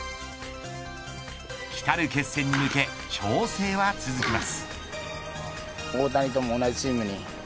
来る決戦に向け調整は続きます。